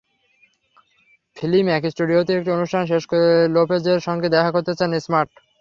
ফিলিম্যাক স্টুডিওতে একটি অনুষ্ঠান শেষ করে লোপেজের সঙ্গে দেখা করতে যান স্মার্ট।